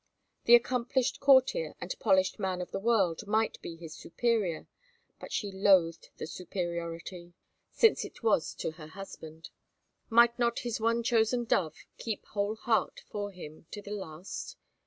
The accomplished courtier and polished man of the world might be his superior, but she loathed the superiority, since it was to her husband. Might not his one chosen dove keep heart whole for him to the last?